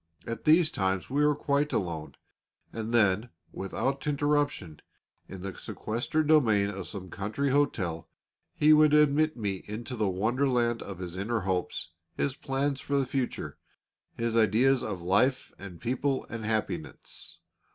At these times we were quite alone, and then, without interruptions, in the sequestered domain of some country hotel he would admit me into the wonderland of his inner hopes, his plans for the future, his ideas of life and people and happiness.